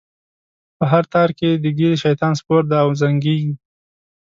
په هر تار کی یې د ږیری؛ شیطان سپور دی او زنګیږی